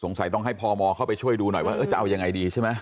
สัยต้องให้พมเข้าไปช่วยดูหน่อยว่าจะเอายังไงดีใช่ไหม